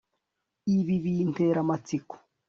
Ibi bintera amatsiko